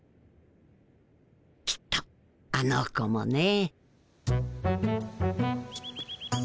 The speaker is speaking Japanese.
きっとあの子もね。